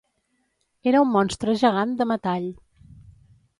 Era un monstre gegant de metall.